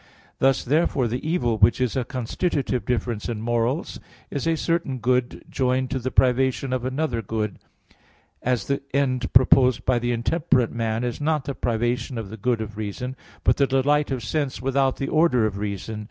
Thus, therefore, the evil which is a constitutive difference in morals is a certain good joined to the privation of another good; as the end proposed by the intemperate man is not the privation of the good of reason, but the delight of sense without the order of reason.